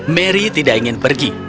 mary tidak ingin pergi